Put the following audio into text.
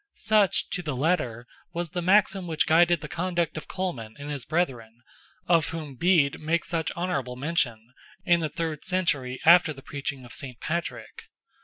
Such, to the letter, was the maxim which guided the conduct of Colman and his brethren, of whom Bede makes such honourable mention, in the third century after the preaching of St. Patrick.